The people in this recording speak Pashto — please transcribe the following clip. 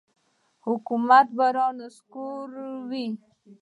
حکومت به را نسکوروي.